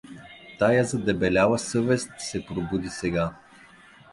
Тая задебеляла съвест се пробуди сега.